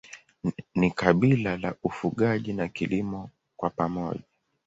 Ni kabila la ufugaji na kilimo kwa pamoja.